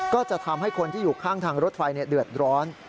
ก็จะทำให้คนที่อยู่ข้างทางรถไฟเดือดร้อน